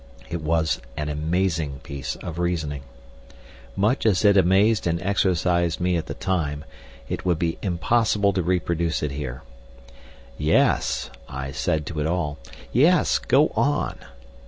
It was an amazing piece of reasoning. Much as it amazed and exercised me at the time, it would be impossible to reproduce it here. "Yes," I said to it all, "yes; go on!"